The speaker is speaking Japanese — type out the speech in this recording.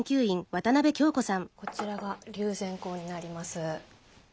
こちらが龍涎香になります。